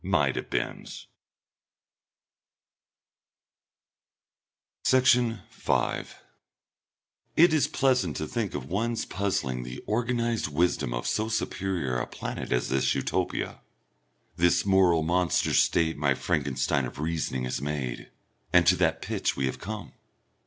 might have beens?" Section 5 It is pleasant to think of one's puzzling the organised wisdom of so superior a planet as this Utopia, this moral monster State my Frankenstein of reasoning has made, and to that pitch we have come.